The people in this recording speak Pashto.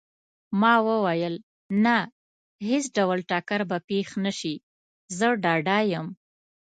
ما وویل: نه، هیڅ ډول ټکر به پېښ نه شي، زه ډاډه یم.